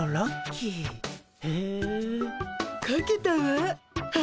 かけたわ。